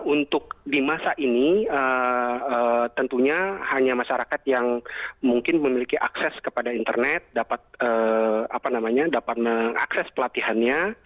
untuk di masa ini tentunya hanya masyarakat yang mungkin memiliki akses kepada internet dapat mengakses pelatihannya